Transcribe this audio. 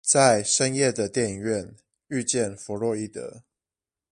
在深夜的電影院遇見佛洛伊德